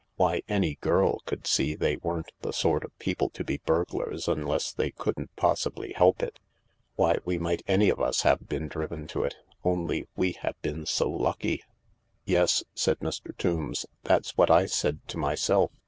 Why, any girl could see they weren't the sort of people to be burglars unless they couldn't possibly help it. Why, we might any of us have been driven to it — only we have been so lucky! " "Yes," said Mr. Tombs, "that's what I said to myself.